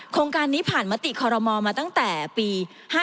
โครงการนี้ผ่านมติคอรมอลมาตั้งแต่ปี๕๗